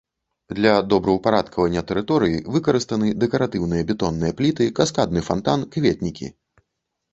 Для добраўпарадкавання тэрыторыі выкарыстаны дэкаратыўныя бетонныя пліты, каскадны фантан, кветнікі.